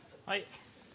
はい。